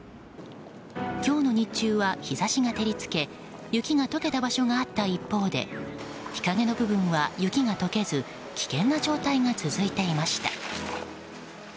今日の日中は日差しが照り付け雪が解けた場所があった一方で日陰の部分は雪が解けず危険な状態が続いていました。